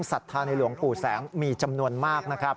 ศรัทธาในหลวงปู่แสงมีจำนวนมากนะครับ